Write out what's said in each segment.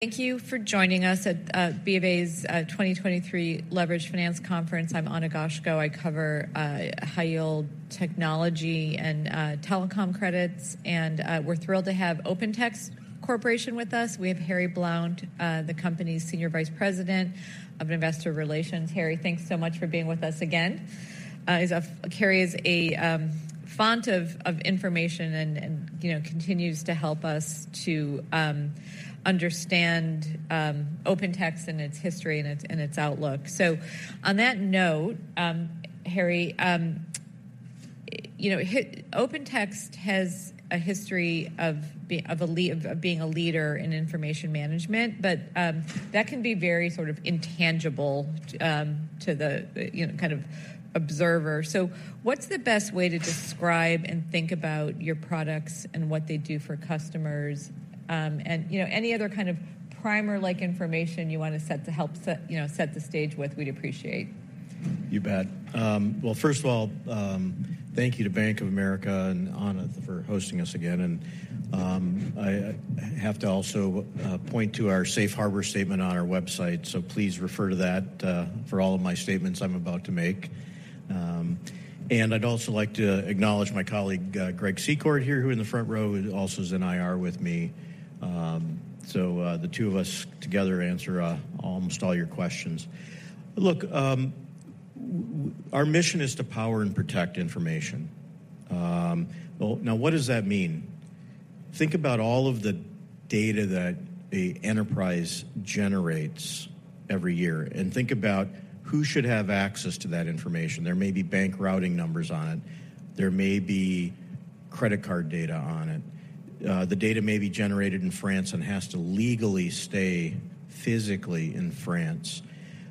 Thank you for joining us at BofA's 2023 Leveraged Finance Conference. I'm Ana Goshko. I cover high-yield technology and telecom credits, and we're thrilled to have OpenText Corporation with us. We have Harry Blount, the company's Senior Vice President of Investor Relations. Harry, thanks so much for being with us again. He is a font of information and, you know, continues to help us understand OpenText and its history and its outlook. So on that note, Harry, you know, OpenText has a history of being a leader in information management, but that can be very sort of intangible to the, you know, kind of observer. So what's the best way to describe and think about your products and what they do for customers, and, you know, any other kind of primer-like information you want to set to help set, you know, set the stage with? We'd appreciate. You bet. Well, first of all, thank you to Bank of America and Ana for hosting us again, and I have to also point to our safe harbor statement on our website, so please refer to that for all of my statements I'm about to make. And I'd also like to acknowledge my colleague, Greg Secord here, who's in the front row, who also is in IR with me. So, the two of us together answer almost all your questions. Look, our mission is to power and protect information. Well, now what does that mean? Think about all of the data that an enterprise generates every year, and think about who should have access to that information. There may be bank routing numbers on it. There may be credit card data on it. The data may be generated in France and has to legally stay physically in France.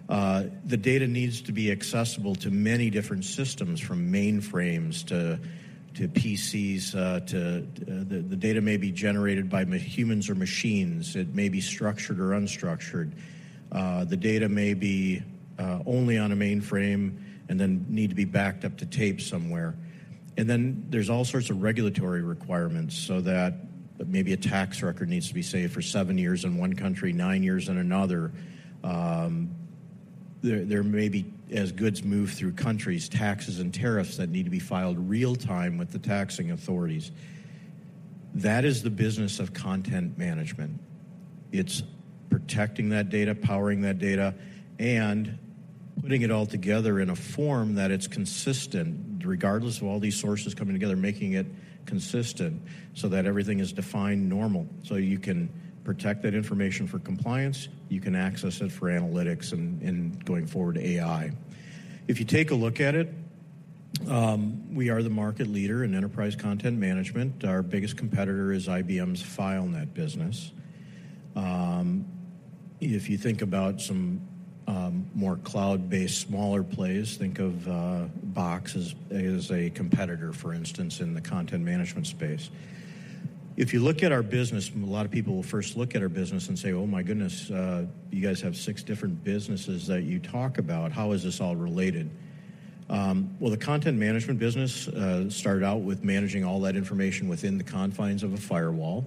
The data needs to be accessible to many different systems, from mainframes to PCs. The data may be generated by humans or machines. It may be structured or unstructured. The data may be only on a mainframe and then need to be backed up to tape somewhere. And then there's all sorts of regulatory requirements so that maybe a tax record needs to be saved for seven years in one country, nine years in another. There may be, as goods move through countries, taxes and tariffs that need to be filed real time with the taxing authorities. That is the business of content management. It's protecting that data, powering that data, and putting it all together in a form that it's consistent, regardless of all these sources coming together, making it consistent so that everything is defined normal. So you can protect that information for compliance, you can access it for analytics, and, and going forward, AI. If you take a look at it, we are the market leader in enterprise content management. Our biggest competitor is IBM's FileNet business. If you think about some, more cloud-based, smaller players, think of, Box as, a competitor, for instance, in the content management space. If you look at our business, a lot of people will first look at our business and say: "Oh, my goodness, you guys have six different businesses that you talk about. How is this all related?" Well, the content management business started out with managing all that information within the confines of a firewall.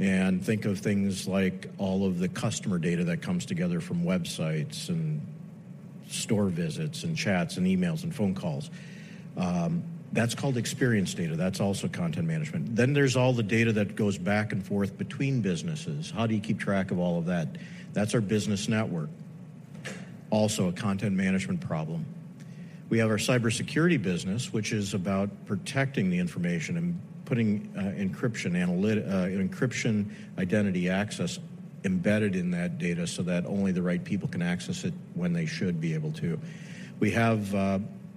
Think of things like all of the customer data that comes together from websites and store visits, and chats, and emails, and phone calls. That's called experience data. That's also content management. Then there's all the data that goes back and forth between businesses. How do you keep track of all of that? That's our business network, also a content management problem. We have our cybersecurity business, which is about protecting the information and putting encryption, identity access embedded in that data so that only the right people can access it when they should be able to. We have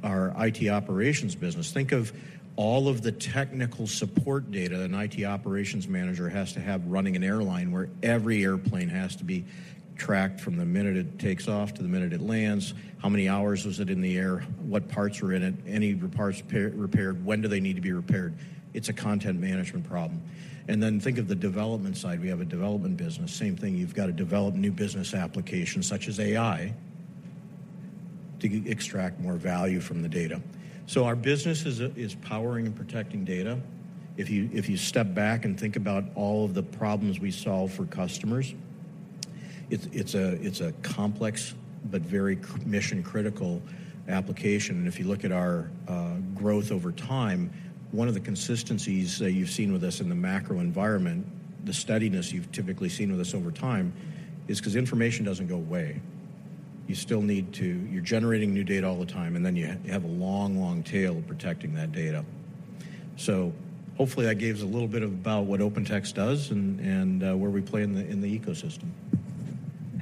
our IT operations business. Think of all of the technical support data an IT operations manager has to have running an airline, where every airplane has to be tracked from the minute it takes off to the minute it lands. How many hours was it in the air? What parts are in it? Any repaired parts? When do they need to be repaired? It's a content management problem. Then think of the development side. We have a development business. Same thing, you've got to develop new business applications, such as AI, to extract more value from the data. So our business is powering and protecting data. If you step back and think about all of the problems we solve for customers, it's a complex but very mission-critical application. And if you look at our growth over time, one of the consistencies that you've seen with us in the macro environment, the steadiness you've typically seen with us over time, is 'cause information doesn't go away. You still need to—you're generating new data all the time, and then you have a long, long tail of protecting that data. So hopefully, that gives a little bit of about what OpenText does and where we play in the ecosystem.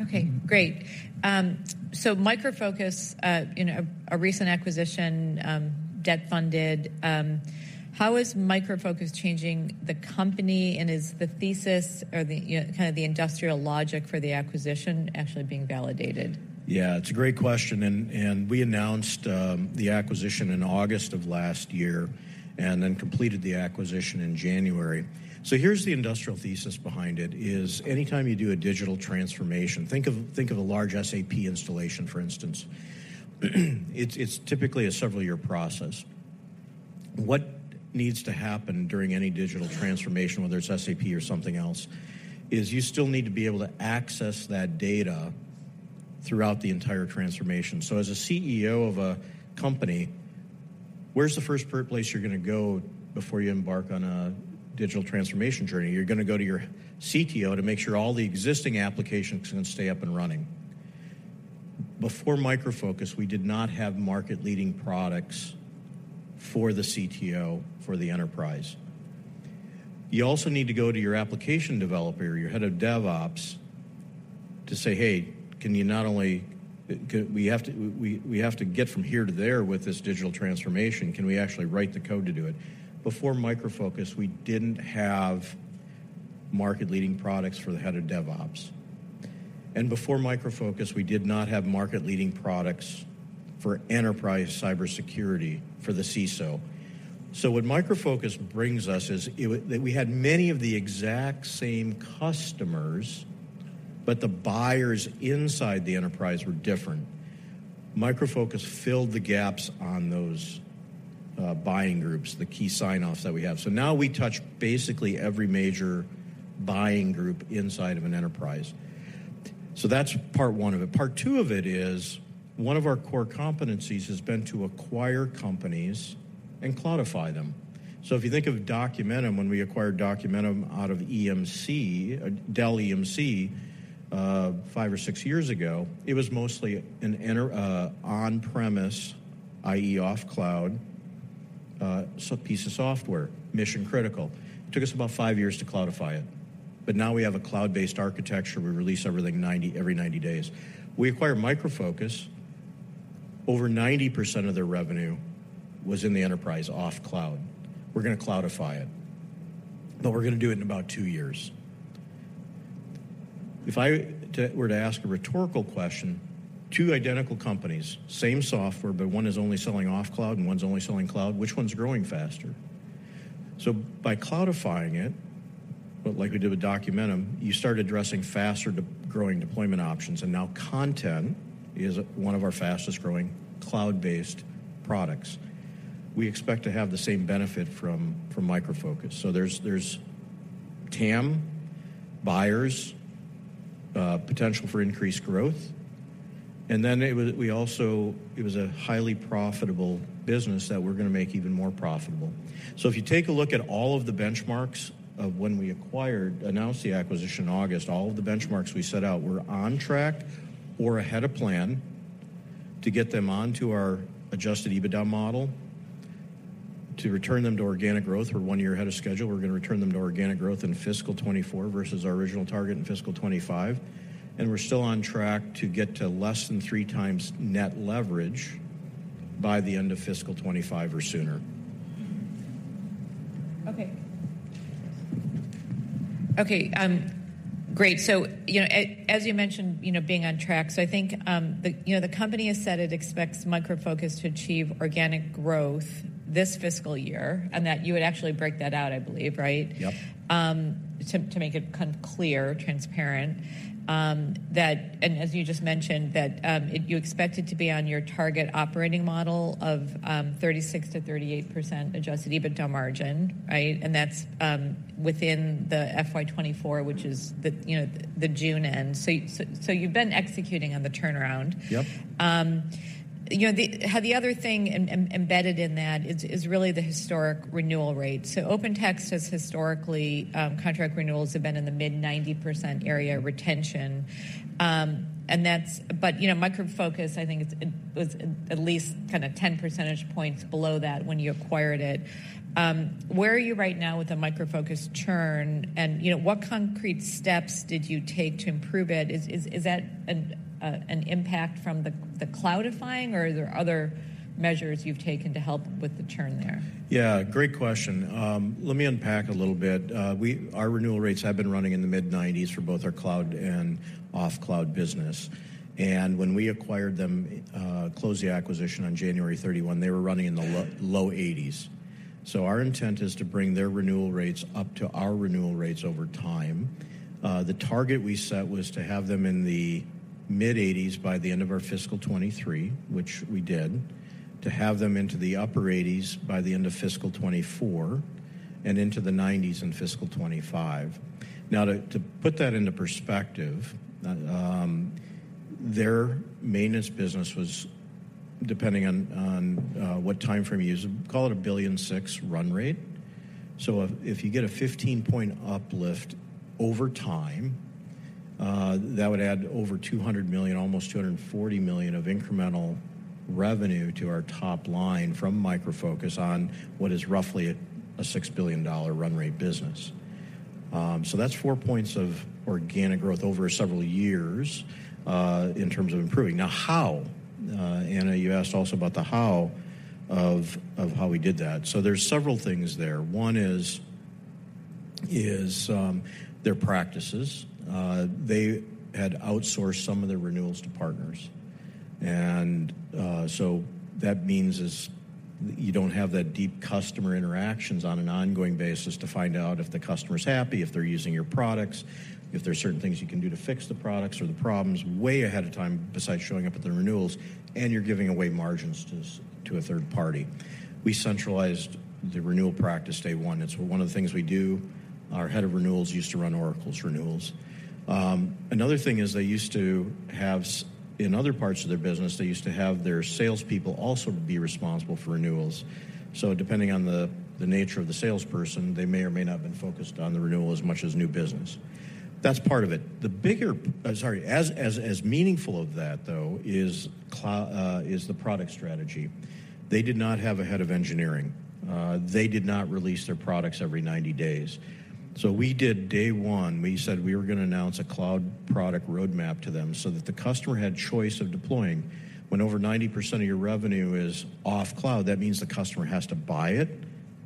Okay, great. So Micro Focus, you know, a recent acquisition, debt-funded. How is Micro Focus changing the company, and is the thesis or the, you know, kind of the industrial logic for the acquisition actually being validated? Yeah, it's a great question, and we announced the acquisition in August of last year and then completed the acquisition in January. So here's the investment thesis behind it: anytime you do a digital transformation, think of a large SAP installation, for instance. It's typically a several-year process. What needs to happen during any digital transformation, whether it's SAP or something else, is you still need to be able to access that data throughout the entire transformation. So as a CEO of a company, where's the first place you're gonna go before you embark on a digital transformation journey? You're gonna go to your CTO to make sure all the existing applications are gonna stay up and running. Before Micro Focus, we did not have market-leading products for the CTO, for the enterprise. You also need to go to your application developer, your head of DevOps, to say: "Hey, can you not only, we have to get from here to there with this digital transformation. Can we actually write the code to do it?" Before Micro Focus, we didn't have market-leading products for the head of DevOps. And before Micro Focus, we did not have market-leading products for enterprise cybersecurity for the CISO. So what Micro Focus brings us is, we had many of the exact same customers, but the buyers inside the enterprise were different. Micro Focus filled the gaps on those buying groups, the key sign-offs that we have. So now we touch basically every major buying group inside of an enterprise. So that's part one of it. Part two of it is, one of our core competencies has been to acquire companies and cloudify them. So if you think of Documentum, when we acquired Documentum out of EMC, Dell EMC, five or six years ago, it was mostly an on-premise, i.e., off cloud, so piece of software, mission-critical. It took us about five years to cloudify it. But now we have a cloud-based architecture. We release everything every 90 days. We acquired Micro Focus. Over 90% of their revenue was in the enterprise off cloud. We're gonna cloudify it, but we're gonna do it in about two years. If I were to ask a rhetorical question, two identical companies, same software, but one is only selling off cloud and one's only selling cloud, which one's growing faster? So by cloudifying it, like we did with Documentum, you start addressing faster-growing deployment options, and now content is one of our fastest-growing cloud-based products. We expect to have the same benefit from Micro Focus. So there's TAM, buyers, potential for increased growth, and then we also... It was a highly profitable business that we're gonna make even more profitable. So if you take a look at all of the benchmarks of when we acquired, announced the acquisition in August, all of the benchmarks we set out were on track or ahead of plan to get them onto our adjusted EBITDA model, to return them to organic growth. We're one year ahead of schedule. We're gonna return them to organic growth in fiscal 2024 versus our original target in Fiscal 2025, and we're still on track to get to less than 3x net leverage by the end of fiscal 2025 or sooner. Okay. Okay, great. So, you know, as you mentioned, you know, being on track. So I think, you know, the company has said it expects Micro Focus to achieve organic growth this fiscal year, and that you would actually break that out, I believe, right? Yep. To make it kind of clear, transparent, that... And as you just mentioned, that, it, you expect it to be on your target operating model of 36%-38% Adjusted EBITDA margin, right? And that's within the FY 2024, which is the, you know, the June end. So you've been executing on the turnaround. Yep. You know, the other thing embedded in that is really the historic renewal rate. So OpenText has historically, contract renewals have been in the mid-90% area retention, and that's, but, you know, Micro Focus, I think, it was at least kind of 10 percentage points below that when you acquired it. Where are you right now with the Micro Focus churn? And, you know, what concrete steps did you take to improve it? Is that an impact from the cloudifying, or are there other measures you've taken to help with the churn there? Yeah, great question. Let me unpack a little bit. Our renewal rates have been running in the mid-90s for both our cloud and off-cloud business, and when we acquired them, closed the acquisition on January 31, they were running in the low 80s. So our intent is to bring their renewal rates up to our renewal rates over time. The target we set was to have them in the mid-80s by the end of our Fiscal 2023, which we did, to have them into the upper 80s by the end of fiscal 2024 and into the 90s in Fiscal 2025. Now, to put that into perspective, their maintenance business was, depending on what time frame you use, call it $1.6 billion run rate. So if you get a 15-point uplift over time, that would add over $200 million, almost $240 million of incremental revenue to our top line from Micro Focus on what is roughly a $6 billion run rate business. So that's four points of organic growth over several years, in terms of improving. Now, how? Ana, you asked also about the how of how we did that. So there's several things there. One is their practices. They had outsourced some of their renewals to partners... So that means you don't have that deep customer interactions on an ongoing basis to find out if the customer's happy, if they're using your products, if there are certain things you can do to fix the products or the problems way ahead of time, besides showing up at the renewals, and you're giving away margins to a third party. We centralized the renewal practice day one. It's one of the things we do. Our head of renewals used to run Oracle's renewals. Another thing is they used to have in other parts of their business, they used to have their salespeople also be responsible for renewals. So depending on the nature of the salesperson, they may or may not have been focused on the renewal as much as new business. That's part of it. The bigger, sorry, as meaningful of that, though, is the product strategy. They did not have a head of engineering. They did not release their products every 90 days. So we did, day one, we said we were gonna announce a cloud product roadmap to them so that the customer had choice of deploying. When over 90% of your revenue is off cloud, that means the customer has to buy it,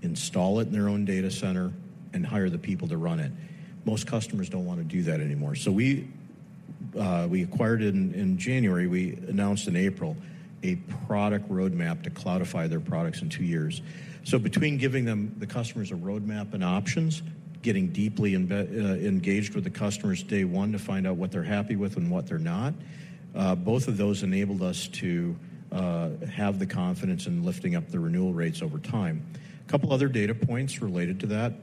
install it in their own data center, and hire the people to run it. Most customers don't want to do that anymore. So we acquired it in January. We announced in April a product roadmap to cloudify their products in two years. So between giving them, the customers a roadmap and options, getting deeply engaged with the customers day one to find out what they're happy with and what they're not, both of those enabled us to have the confidence in lifting up the renewal rates over time. A couple other data points related to that.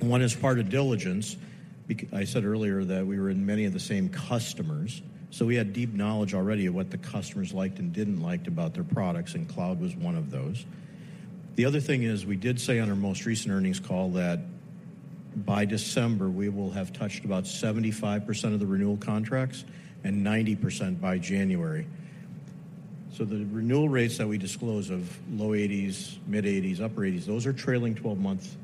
One is part of diligence. I said earlier that we were in many of the same customers, so we had deep knowledge already of what the customers liked and didn't like about their products, and cloud was one of those. The other thing is, we did say on our most recent earnings call that by December, we will have touched about 75% of the renewal contracts and 90% by January. So the renewal rates that we disclose of low 80s%, mid-80s%, upper 80s%, those are trailing 12-month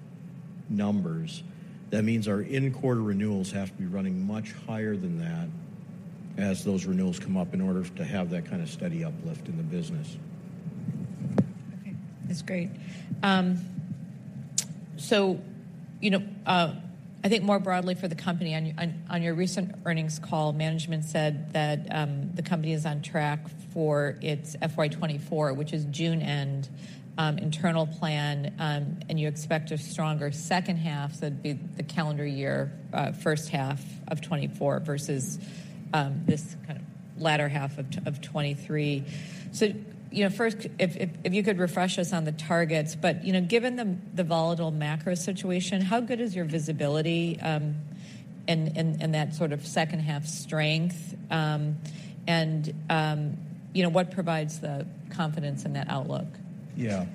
numbers. That means our in-quarter renewals have to be running much higher than that as those renewals come up, in order to have that kind of steady uplift in the business. Okay, that's great. So, you know, I think more broadly for the company, on your recent earnings call, management said that the company is on track for its FY 2024, which is June end, internal plan, and you expect a stronger second half, so it'd be the calendar year first half of 2024 versus this kind of latter half of 2023. So, you know, first, if you could refresh us on the targets, but you know, given the volatile macro situation, how good is your visibility in that sort of second half strength? And you know, what provides the confidence in that outlook? Yeah.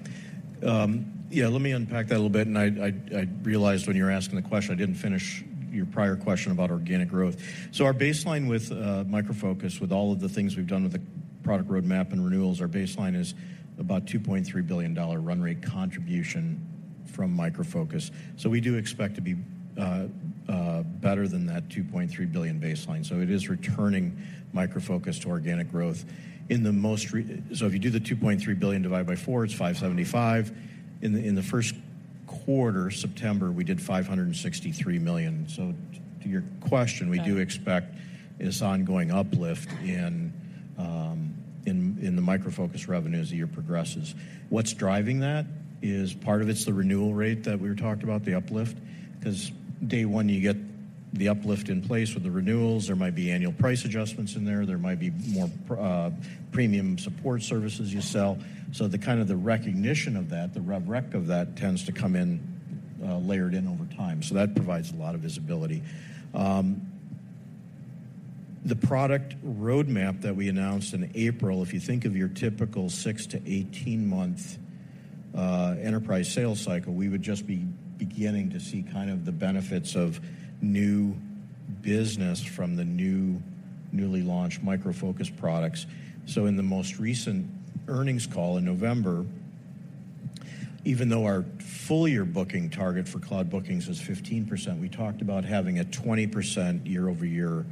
Yeah, let me unpack that a little bit, and I realized when you were asking the question, I didn't finish your prior question about organic growth. So our baseline with Micro Focus, with all of the things we've done with the product roadmap and renewals, our baseline is about $2.3 billion run rate contribution from Micro Focus. So we do expect to be better than that $2.3 billion baseline. So it is returning Micro Focus to organic growth. So if you do the $2.3 billion divided by four, it's 575. In the first quarter, September, we did $563 million. So to your question- Got it. We do expect this ongoing uplift in the Micro Focus revenues as the year progresses. What's driving that is part of it's the renewal rate that we talked about, the uplift, 'cause day one, you get the uplift in place with the renewals. There might be annual price adjustments in there. There might be more premium support services you sell. So the kind of the recognition of that, the rev rec of that, tends to come in layered in over time. So that provides a lot of visibility. The product roadmap that we announced in April, if you think of your typical 6- to 18-month enterprise sales cycle, we would just be beginning to see kind of the benefits of new business from the new, newly launched Micro Focus products. So in the most recent earnings call in November, even though our full year booking target for cloud bookings was 15%, we talked about having a 20% year-over-year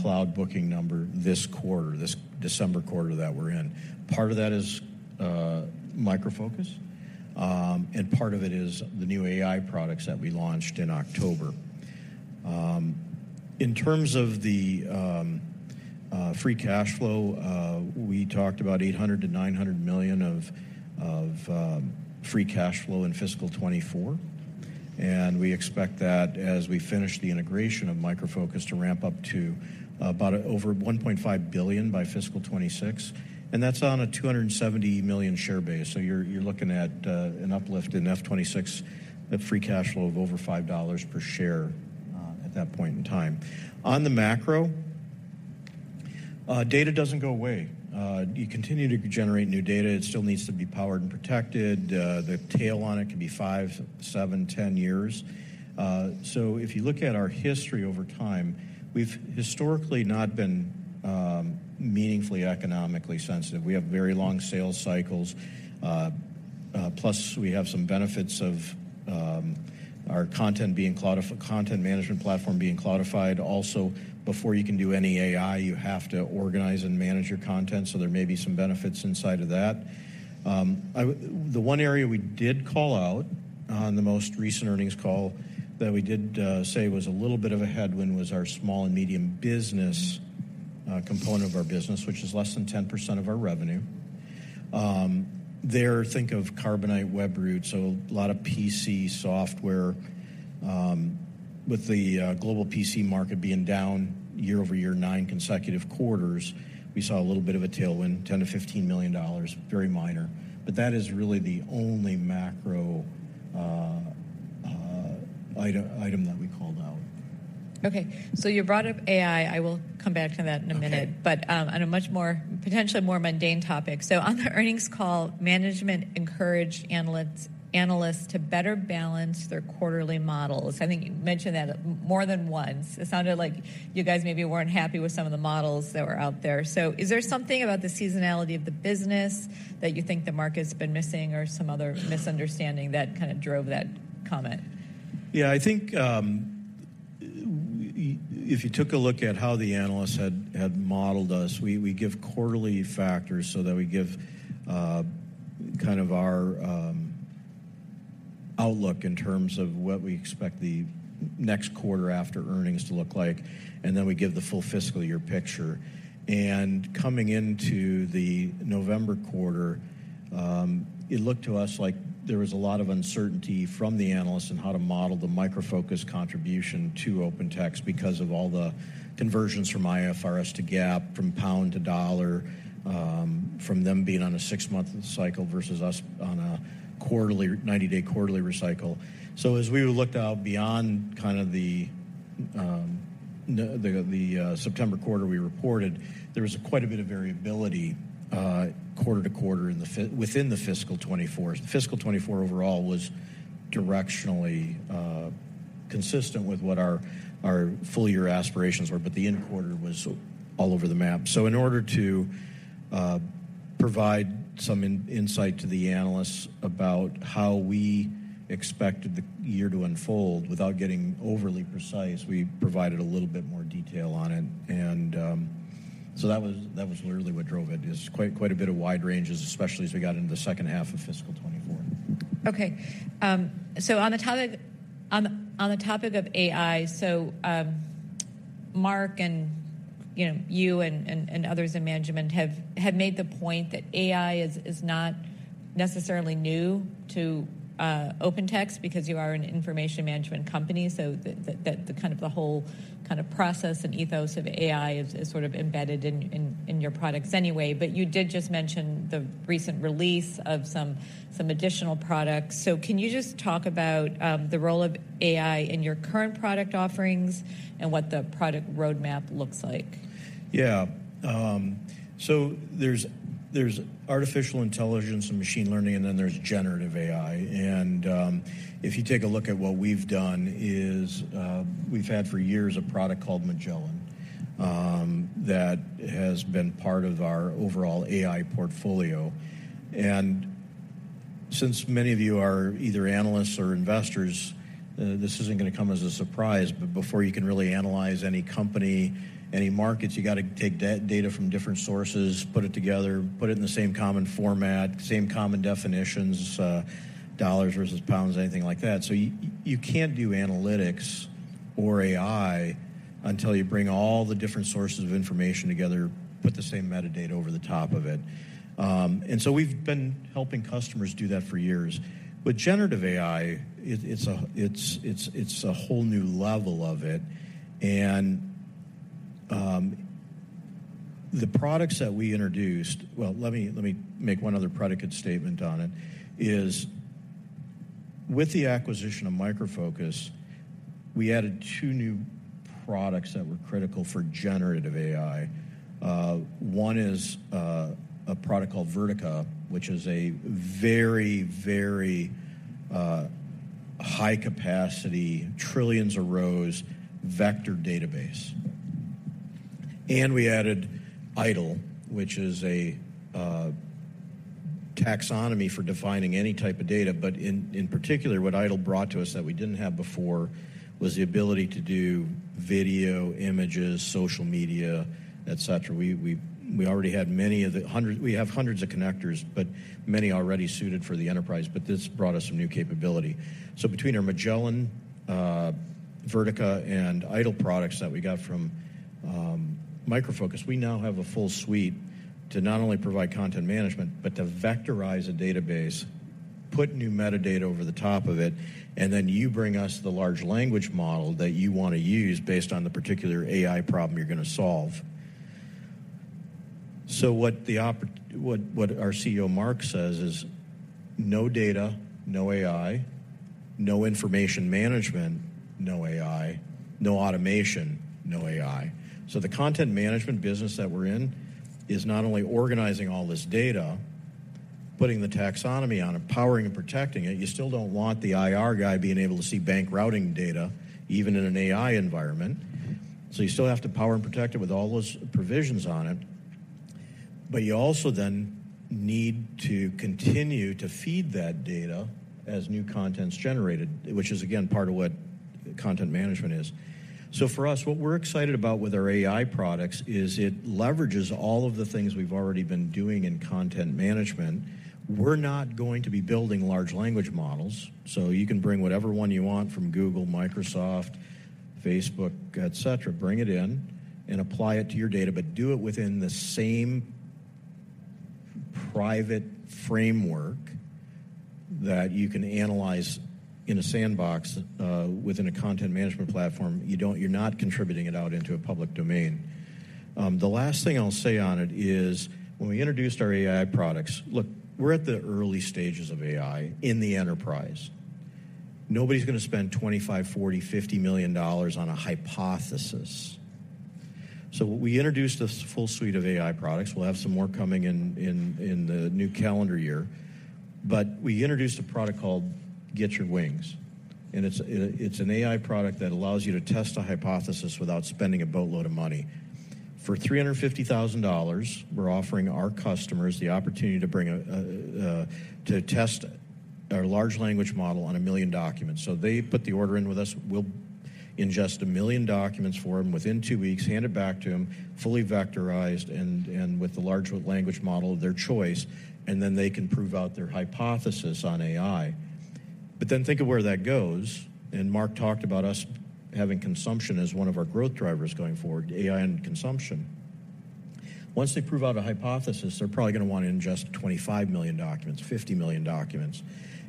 cloud booking number this quarter, this December quarter that we're in. Part of that is, Micro Focus, and part of it is the new AI products that we launched in October. In terms of the, free cash flow, we talked about $800 million-$900 million of free cash flow in Fiscal 2024, and we expect that as we finish the integration of Micro Focus to ramp up to about over $1.5 billion by fiscal 2026, and that's on a 270 million share base. So you're looking at an uplift in FY 2026, a free cash flow of over $5 per share, at that point in time. On the macro, data doesn't go away. You continue to generate new data. It still needs to be powered and protected. The tail on it can be five, seven, 10 years. So if you look at our history over time, we've historically not been meaningfully economically sensitive. We have very long sales cycles, plus we have some benefits of our content management platform being cloudified. Also, before you can do any AI, you have to organize and manage your content, so there may be some benefits inside of that. The one area we did call out on the most recent earnings call that we did say was a little bit of a headwind was our small and medium business component of our business, which is less than 10% of our revenue. There, think of Carbonite Webroot, so a lot of PC software. With the global PC market being down year-over-year, nine consecutive quarters, we saw a little bit of a tailwind, $10 million-$15 million, very minor. But that is really the only macro item that we called out. Okay, so you brought up AI. I will come back to that in a minute. Okay. on a much more, potentially more mundane topic. So on the earnings call, management encouraged analysts to better balance their quarterly models. I think you mentioned that more than once. It sounded like you guys maybe weren't happy with some of the models that were out there. So is there something about the seasonality of the business that you think the market's been missing or some other misunderstanding that kind of drove that comment? Yeah, I think, if you took a look at how the analysts had modeled us, we give quarterly factors so that we give kind of our outlook in terms of what we expect the next quarter after earnings to look like, and then we give the full fiscal year picture. And coming into the November quarter, it looked to us like there was a lot of uncertainty from the analysts on how to model the Micro Focus contribution to OpenText because of all the conversions from IFRS to GAAP, from pound to dollar, from them being on a six-month cycle versus us on a quarterly, 90-day quarterly recycle. So as we looked out beyond kind of the September quarter we reported, there was quite a bit of variability quarter to quarter within the fiscal 2024. Fiscal 2024 overall was directionally consistent with what our full year aspirations were, but the end quarter was all over the map. So in order to provide some insight to the analysts about how we expected the year to unfold without getting overly precise, we provided a little bit more detail on it, and... So that was literally what drove it, is quite a bit of wide ranges, especially as we got into the second half of Fiscal 2024. Okay. So on the topic of AI, so, Mark and, you know, you and others in management have made the point that AI is not necessarily new to OpenText, because you are an information management company, so the kind of the whole kind of process and ethos of AI is sort of embedded in your products anyway. But you did just mention the recent release of some additional products. So can you just talk about the role of AI in your current product offerings and what the product roadmap looks like? Yeah. So there's artificial intelligence and machine learning, and then there's generative AI. And if you take a look at what we've done is, we've had for years a product called Magellan, that has been part of our overall AI portfolio. And since many of you are either analysts or investors, this isn't gonna come as a surprise, but before you can really analyze any company, any markets, you got to take data from different sources, put it together, put it in the same common format, same common definitions, dollars versus pounds, anything like that. So you can't do analytics or AI until you bring all the different sources of information together, put the same metadata over the top of it. And so we've been helping customers do that for years. But generative AI, it's a whole new level of it. And the products that we introduced... Well, let me make one other predicate statement on it, is with the acquisition of Micro Focus, we added two new products that were critical for generative AI. One is a product called Vertica, which is a very high capacity, trillions of rows, vector database. And we added IDOL, which is a taxonomy for defining any type of data. But in particular, what IDOL brought to us that we didn't have before was the ability to do video, images, social media, et cetera. We already had many of the hundreds - we have hundreds of connectors, but many already suited for the enterprise, but this brought us some new capability. So between our Magellan, Vertica, and IDOL products that we got from Micro Focus, we now have a full suite to not only provide content management, but to vectorize a database, put new metadata over the top of it, and then you bring us the large language model that you wanna use based on the particular AI problem you're gonna solve. So what, what our CEO, Mark, says is, "No data, no AI, no information management, no AI, no automation, no AI." So the content management business that we're in is not only organizing all this data, putting the taxonomy on it, powering and protecting it, you still don't want the IR guy being able to see bank routing data, even in an AI environment. So you still have to power and protect it with all those provisions on it, but you also then need to continue to feed that data as new content's generated, which is again, part of what content management is. So for us, what we're excited about with our AI products is it leverages all of the things we've already been doing in content management. We're not going to be building large language models, so you can bring whatever one you want from Google, Microsoft, Facebook, et cetera. Bring it in and apply it to your data, but do it within the same private framework that you can analyze in a sandbox within a content management platform. You're not contributing it out into a public domain. The last thing I'll say on it is, when we introduced our AI products... Look, we're at the early stages of AI in the enterprise. Nobody's gonna spend $25 million, $40 million, $50 million on a hypothesis. So we introduced this full suite of AI products. We'll have some more coming in the new calendar year. But we introduced a product called Get Your Wings, and it's an AI product that allows you to test a hypothesis without spending a boatload of money. For $350,000, we're offering our customers the opportunity to bring to test our large language model on 1 million documents. So they put the order in with us, we'll ingest 1 million documents for them within two weeks, hand it back to them, fully vectorized and with the large language model of their choice, and then they can prove out their hypothesis on AI. But then think of where that goes, and Mark talked about us having consumption as one of our growth drivers going forward, AI and consumption. Once they prove out a hypothesis, they're probably gonna want to ingest 25 million documents, 50 million documents,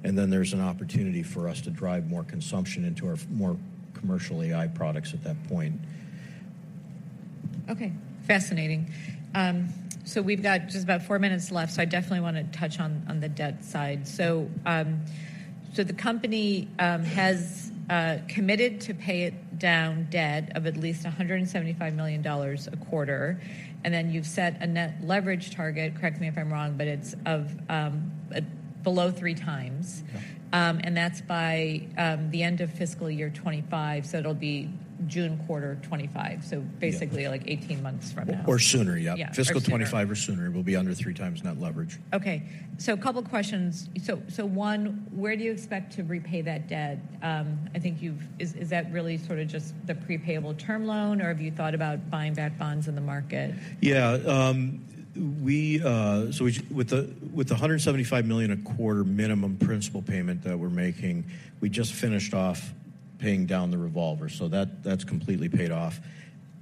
and then there's an opportunity for us to drive more consumption into our more commercial AI products at that point. Okay, fascinating. So we've got just about four minutes left, so I definitely want to touch on the debt side. So the company has committed to pay down debt of at least $175 million a quarter, and then you've set a net leverage target, correct me if I'm wrong, but it's below 3x. Yeah. That's by the end of fiscal year 25, so it'll be June quarter 25. Yeah. So basically, like, 18 months from now. Or sooner, yep. Yeah. Fiscal 2025 or sooner, we'll be under 3x net leverage. Okay, so a couple questions. So one, where do you expect to repay that debt? Is that really sort of just the pre-payable term loan, or have you thought about buying back bonds in the market? So we, with the $175 million a quarter minimum principal payment that we're making, we just finished off paying down the revolver, so that's completely paid off.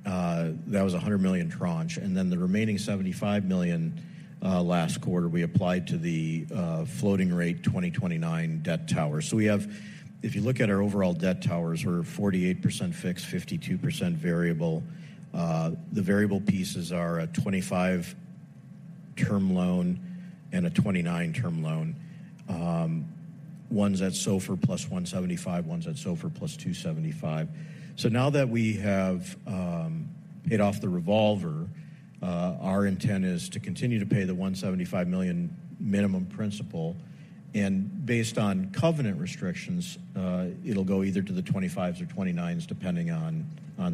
That was a $100 million tranche, and then the remaining $75 million last quarter, we applied to the floating rate 2029 debt tower. So we have. If you look at our overall debt towers, we're 48% fixed, 52% variable. The variable pieces are a 25 term loan and a 29 term loan. One's at SOFR + 175, one's at SOFR + 275. So now that we have paid off the revolver, our intent is to continue to pay the $175 million minimum principal, and based on covenant restrictions, it'll go either to the 25s or 29s, depending on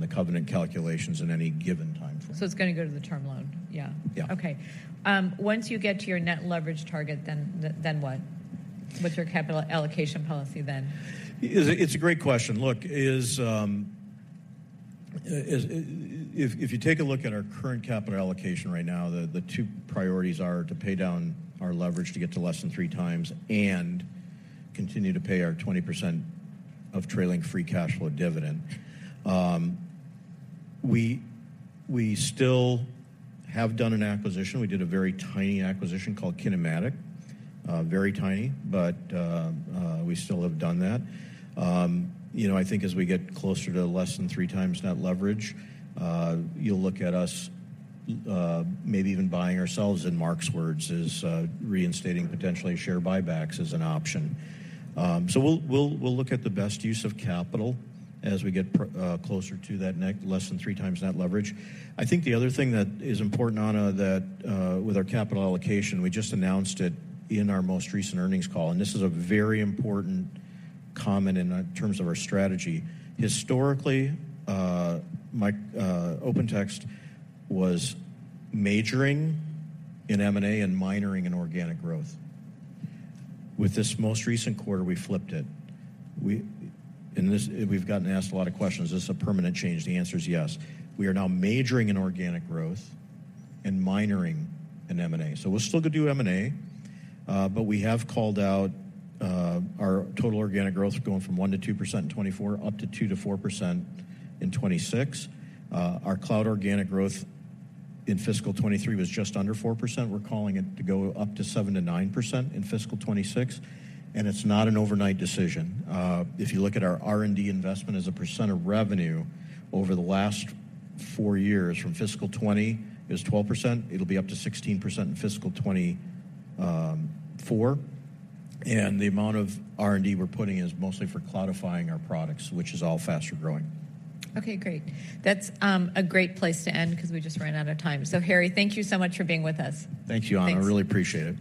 the covenant calculations in any given time frame. It's gonna go to the term loan? Yeah. Yeah. Okay. Once you get to your net leverage target, then, then what? What's your capital allocation policy then? It's a great question. Look, if you take a look at our current capital allocation right now, the two priorities are to pay down our leverage to get to less than 3 times and continue to pay our 20% of trailing free cash flow dividend. We still have done an acquisition. We did a very tiny acquisition called KineMatik. Very tiny, but we still have done that. You know, I think as we get closer to less than 3x net leverage, you'll look at us, maybe even buying ourselves, in Mark's words, reinstating potentially share buybacks as an option. So we'll look at the best use of capital as we get closer to that net less than 3x net leverage. I think the other thing that is important, Ana, that, with our capital allocation, we just announced it in our most recent earnings call, and this is a very important comment in terms of our strategy. Historically, Mark, OpenText was majoring in M&A and minoring in organic growth. With this most recent quarter, we flipped it. We've gotten asked a lot of questions. Is this a permanent change? The answer is yes. We are now majoring in organic growth and minoring in M&A. So we'll still do M&A, but we have called out, our total organic growth going from 1%-2% in 2024, up to 2%-4% in 2026. Our cloud organic growth in fiscal 2023 was just under 4%. We're calling it to go up to 7%-9% in fiscal 2026, and it's not an overnight decision. If you look at our R&D investment as a percent of revenue over the last four years, from fiscal 2020, it was 12%. It'll be up to 16% in fiscal 2024. And the amount of R&D we're putting in is mostly for cloudifying our products, which is all faster growing. Okay, great. That's a great place to end because we just ran out of time. So Harry, thank you so much for being with us. Thank you, Ana. Thanks. I really appreciate it.